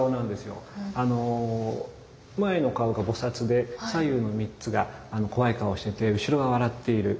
前の顔が菩で左右の３つが怖い顔してて後ろが笑っている。